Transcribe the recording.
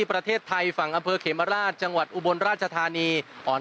ประเทศไทยฝั่งอำเภอเขมราชจังหวัดอุบลราชธานีอ่อน